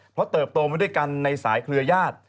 เพราะเติบโตมาด้วยกันในสายเครือญาติ